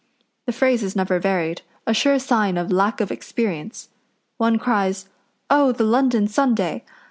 The phrase is never varied a sure sign of lack of experience. One cries, 'Oh, the London Sunday!'